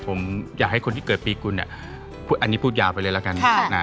ผมอยากให้คนที่เกิดปีกุลอันนี้พูดยาวไปเลยละกัน